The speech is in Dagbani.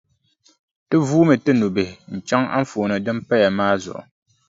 Ti vuumi ti nubihi n-chaŋ anfooni din paya maa zuɣu.